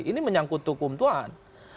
ini menyangkut hukum tuhan